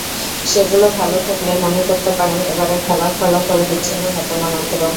সেগুলো ভালো থাকলে মনে করতে পারেন এবারের খারাপ ফলাফল বিচ্ছিন্ন ঘটনামাত্র।